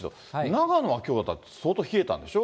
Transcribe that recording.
長野はきょうは相当冷えたんでしょ。